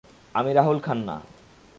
আমি রাহুল খান্না।